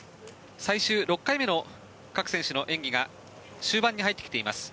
最終６回目の各選手の演技が終盤に入ってきています。